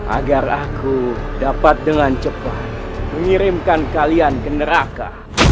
agar aku dapat dengan cepat mengirimkan kalian ke neraka